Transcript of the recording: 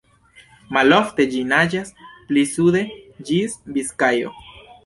Malofte ĝi naĝas pli sude, ĝis Biskajo.